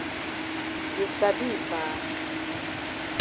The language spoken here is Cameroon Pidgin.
You sabi yi pa.